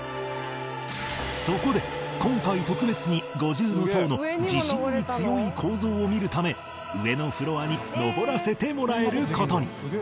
そこで今回特別に五重塔の地震に強い構造を見るため上のフロアに上らせてもらえる事に